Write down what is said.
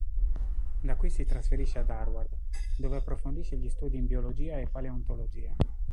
Da qui si trasferisce ad Harvard, dove approfondisce gli studi in biologia e paleontologia.